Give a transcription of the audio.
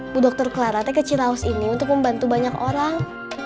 bu dokter clara saya kecil saja ini untuk membantu banyak orang